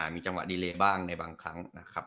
มีจังหวะดีเลบ้างในบางครั้งนะครับ